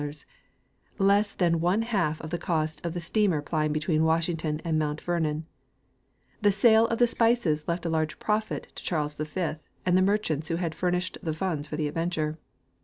all its equipment, was about $20,000.00, less than one half the cost of the steamer pl^dng between AVashington and Mount Ver non. The sale of the spices left a large profit to Charles V and the merchants who had furnished the funds for the adventure.